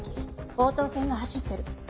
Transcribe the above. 鴨東線が走ってる。